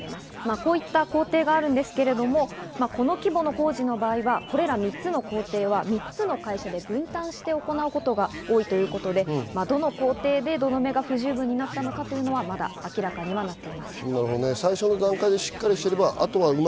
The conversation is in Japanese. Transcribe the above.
こういった工程がありますが、この規模の工事の場合は、これら３つの工程は３つの会社の分担で行うことが多いということで、どの行程で土留めが不十分になったのかは、まだ明らかにはなっていません。